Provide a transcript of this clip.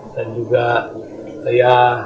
dan juga ke teman teman di sekolah